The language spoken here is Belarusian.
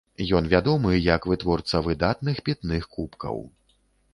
Ён вядомы як вытворца выдатных пітных кубкаў.